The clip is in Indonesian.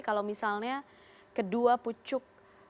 kalau misalnya kedua pucuk